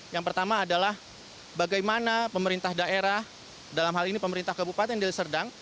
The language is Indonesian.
yang pertama adalah bagaimana pemerintah daerah dalam hal ini pemerintah kabupaten deli serdang